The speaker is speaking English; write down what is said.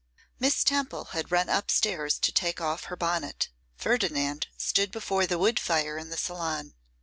MISS TEMPLE had run up stairs to take off her bonnet; Ferdinand stood before the wood fire in the salon.